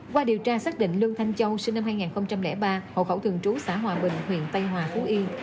qua điều tra xác định lương thanh châu sinh năm hai nghìn ba hộ khẩu thường trú xã hòa bình huyện tây hòa phú yên